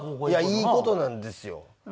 いやいい事なんですよ。